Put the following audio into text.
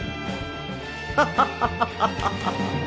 ハハハハハ。